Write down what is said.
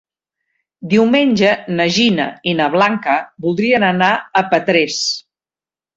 Diumenge na Gina i na Blanca voldrien anar a Petrés.